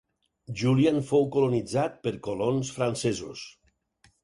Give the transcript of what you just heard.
Julian fou colonitzat per colons francesos.